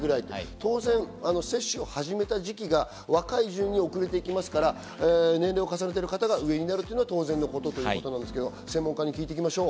当然接種を始めた時期が若い順に遅れていきますから年齢を重ねている方が上になるの当然のことですけど、専門家に聞いていきましょう。